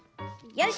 よし。